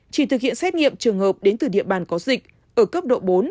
chỉ thực hiện xét nghiệm trường hợp đến từ địa bàn có dịch ở cấp độ bốn